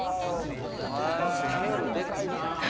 スケールでかいな。